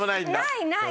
ないない。